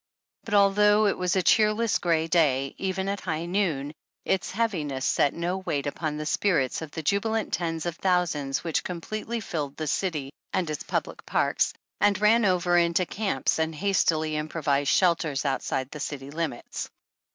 But although it was a cheerless gray day, even at high noon, its heaviness set no weight upon the spir its of the jubilant tens of thousands which completely filled the city and its public parks, and ran over into camps and hastily improvised shelters outside the city limits.